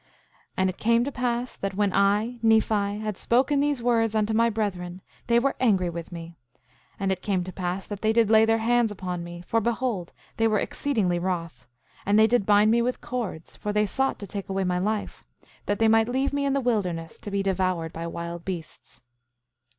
7:16 And it came to pass that when I, Nephi, had spoken these words unto my brethren, they were angry with me. And it came to pass that they did lay their hands upon me, for behold, they were exceedingly wroth, and they did bind me with cords, for they sought to take away my life, that they might leave me in the wilderness to be devoured by wild beasts.